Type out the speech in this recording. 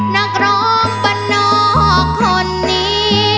นักร้องปะนอกคนนี้